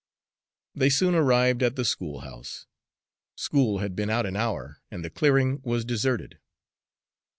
They soon arrived at the schoolhouse. School had been out an hour, and the clearing was deserted.